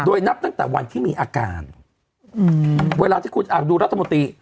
โดยนับตั้งแต่วันที่มีอาการอืมเวลาที่คุณดูรัฐมนตรี